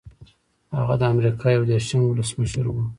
هغه د امریکا یو دېرشم ولسمشر و.